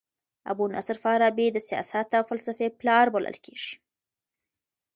ابو نصر فارابي د سیاست او فلسفې پلار بلل کيږي.